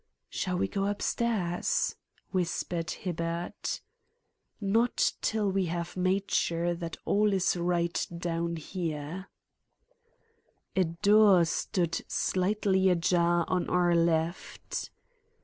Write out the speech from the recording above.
"Shall we go upstairs?" whispered Hibbard. "Not till we have made sure that all is right down here" A door stood slightly ajar on our left.